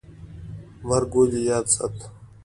مرګ ولې یاد ساتو؟